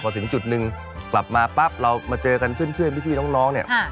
พอถึงจุดหนึ่งกลับมาปั๊บเรามาเจอกันเพื่อนพี่น้องเนี่ย